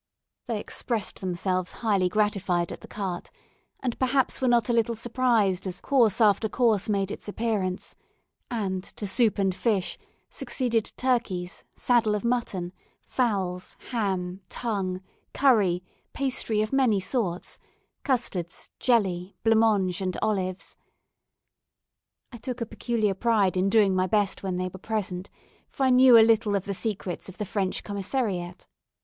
They expressed themselves highly gratified at the carte, and perhaps were not a little surprised as course after course made its appearance, and to soup and fish succeeded turkeys, saddle of mutton, fowls, ham, tongue, curry, pastry of many sorts, custards, jelly, blanc mange, and olives. I took a peculiar pride in doing my best when they were present, for I knew a little of the secrets of the French commissariat.